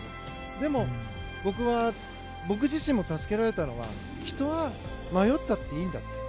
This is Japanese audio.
でも僕自身も助けられたのは人は、迷ったっていいんだ。